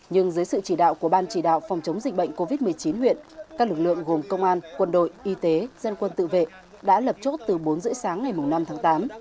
nhưng dưới sự chỉ đạo của ban chỉ đạo phòng chống dịch bệnh covid một mươi chín huyện các lực lượng gồm công an quân đội y tế dân quân tự vệ đã lập chốt từ bốn h ba mươi sáng ngày năm tháng tám